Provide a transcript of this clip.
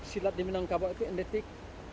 silat di minangkabau itu endetik